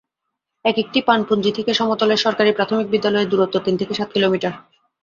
একেকটি পানপুঞ্জি থেকে সমতলের সরকারি প্রাথমিক বিদ্যালয়ের দূরত্ব তিন থেকে সাত কিলোমিটার।